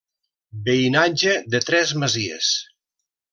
Veïnatge de tres masies.